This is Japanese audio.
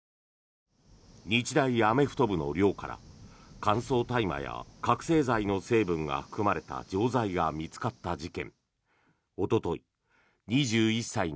日大アメフト部の寮から乾燥大麻や覚醒剤の成分が含まれた錠剤が見つかった事件。